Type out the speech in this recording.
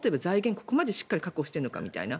ここまでしっかり確保してるのかみたいな。